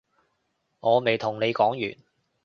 我未同你講完